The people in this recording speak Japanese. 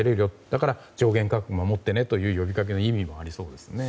だから上限価格を守ってねという呼びかけの意味もありそうですね。